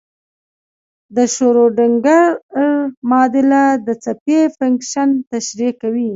د شروډنګر معادله د څپې فنکشن تشریح کوي.